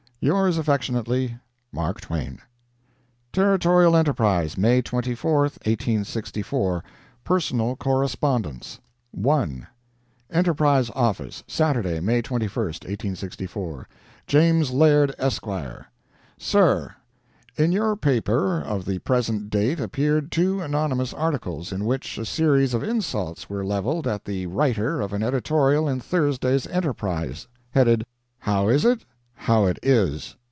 Yours, affectionately, MARK TWAIN. Territorial Enterprise, May 24, 1864 PERSONAL CORRESPONDENCE [ I ] ENTERPRISE OFFICE, Saturday, May 21, 1864 JAMES LAIRD, ESQ.—Sir: In your paper of the present date appeared two anonymous articles, in which a series of insults were leveled at the writer of an editorial in Thursday's ENTERPRISE, headed "How is it?—How it is."